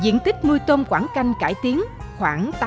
diện tích nuôi tôm quảng canh cải tiến khoảng tám mươi tám hectare